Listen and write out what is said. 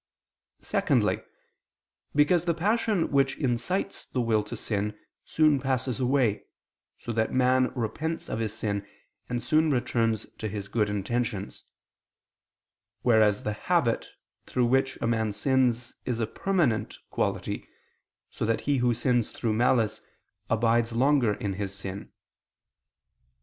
Secondly, because the passion which incites the will to sin, soon passes away, so that man repents of his sin, and soon returns to his good intentions; whereas the habit, through which a man sins, is a permanent quality, so that he who sins through malice, abides longer in his sin.